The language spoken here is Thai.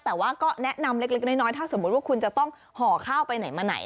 แต่ว่าก็แนะนำเล็กน้อยถ้าสมมุติว่าคุณจะต้องห่อข้าวไปไหนมาไหน